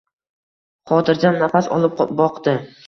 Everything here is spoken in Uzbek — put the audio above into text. Xotirjam nafas olib boqdi.